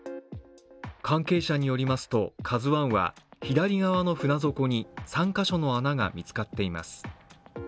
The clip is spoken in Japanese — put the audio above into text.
関係者によりますと、「ＫＡＺＵⅠ」は左側の船底に３カ所の穴が見つかっています。